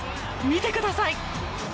見てください！